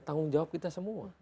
tanggung jawab kita semua